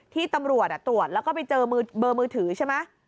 ที่ตำรวจตรวจแล้วก็ไปเจอเบอร์มือถือใช่ไหม